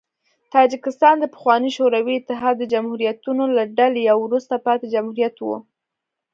تاجکستان د پخواني شوروي اتحاد د جمهوریتونو له ډلې یو وروسته پاتې جمهوریت و.